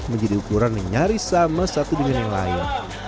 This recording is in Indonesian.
menjadi ukuran yang nyaris sama satu dengan yang lain